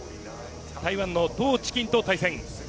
台湾のトウ・チキンと対戦。